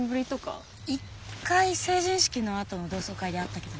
一回成人式のあとの同窓会で会ったけどね。